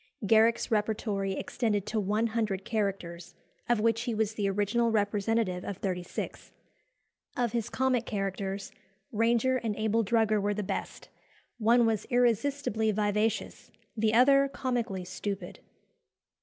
Garrick's repertory extended to one hundred characters, of which he was the original representative of thirty six. Of his comic characters, Ranger and Abel Drugger were the best one was irresistibly vivacious, the other comically stupid.